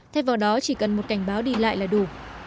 thay vào đó chỉ cần một cảnh báo đi lại là đủ